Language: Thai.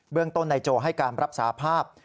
เรื่องต้นนายโจให้การรับสาภาพ